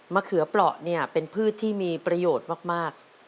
มะเขือปลอกเป็นพืชที่มีประโยชน์มาก